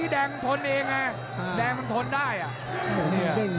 เดงมันทนเองอะ